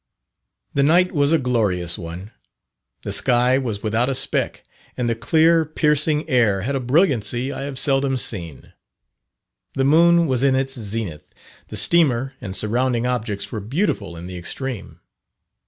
The night was a glorious one. The sky was without a speck; and the clear, piercing air had a brilliancy I have seldom seen. The moon was in its zenith the steamer and surrounding objects were beautiful in the extreme.